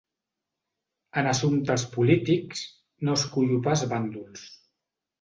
En assumptes polítics, no escullo pas bàndols.